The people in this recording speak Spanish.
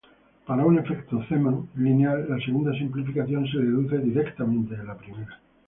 Para un efecto Zeeman lineal, la segunda simplificación se deduce directamente de la primera.